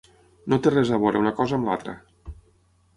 No té res a veure una cosa amb l’altra.